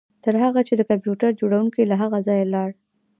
تر هغه چې د کمپیوټر جوړونکی له هغه ځایه لاړ